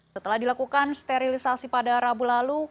setelah dilakukan sterilisasi pada rabu lalu